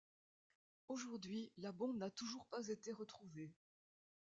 Aujourd'hui, la bombe n'a toujours pas été retrouvée.